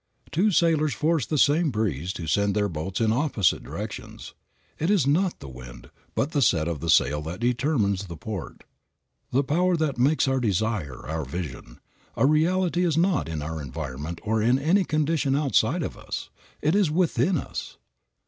Two sailors force the same breeze to send their boats in opposite directions. It is not the wind, but the set of the sail that determines the port. The power that makes our desire, our vision, a reality is not in our environment or in any condition outside of us; it is within us.